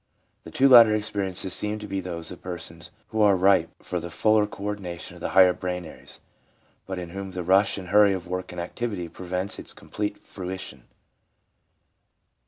The two latter experiences seem to be those of persons who are ripe for the fuller co ordination of the higher brain areas, but in whom the rush and hurry of work and activity prevents its com plete fruition.